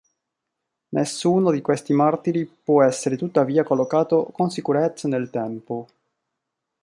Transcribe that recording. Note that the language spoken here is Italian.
Nessuno di questi martiri può essere tuttavia collocato con sicurezza nel tempo.